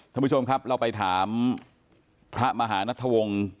ท่านผู้ชมครับเราไปถามพระมหานัทวงศ์